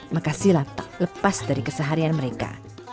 maka silat tak lepas dari keseharian mereka